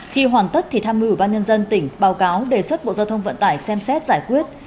khi hoàn tất thì tham mưu ubnd tỉnh báo cáo đề xuất bộ giao thông vận tải xem xét giải quyết